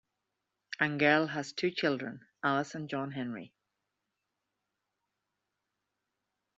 Angell has two children, Alice and John Henry.